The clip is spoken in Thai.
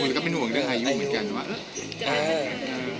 ก็เป็นห่วงเรื่องอายุเหมือนกันว่า